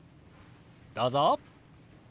どうぞ。